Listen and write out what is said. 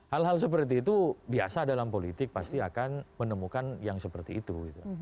hal hal seperti itu biasa dalam politik pasti akan menemukan yang seperti itu